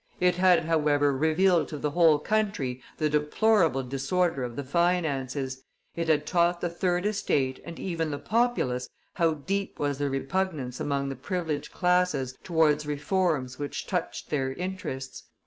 It had, however, revealed to the whole country the deplorable disorder of the finances; it had taught the third estate and even the populace how deep was the repugnance among the privileged classes towards reforms which touched their interests.